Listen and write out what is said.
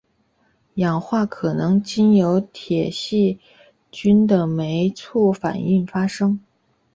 氧化可能经由铁细菌的酶促反应发生。